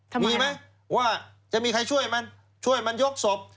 มีไหมว่าจะมีใครช่วยมันช่วยมันยกศพ